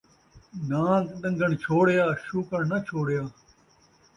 نان٘گ ݙن٘گݨ چھوڑیا ، شوکݨ ناں چھوڑیا